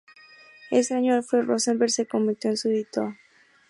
Ese año, Alfred Rosenberg se convirtió en su editor.